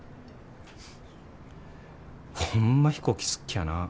ホンマ飛行機好っきゃなぁ。